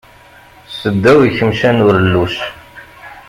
Seddaw ikemcan urelluc.